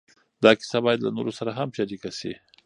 دا کیسه باید له نورو سره هم شریکه شي.